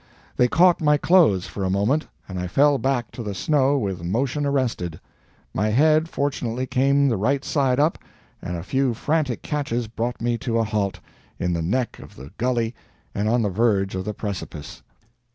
They caught my clothes for a moment, and I fell back on to the snow with motion arrested. My head fortunately came the right side up, and a few frantic catches brought me to a halt, in the neck of the gully and on the verge of the precipice.